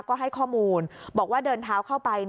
ก็ให้ข้อมูลบอกว่าเดินเท้าเข้าไป